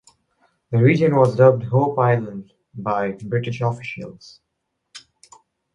The region was dubbed Hope Island by British officials.